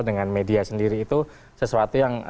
dengan media sendiri itu sesuatu yang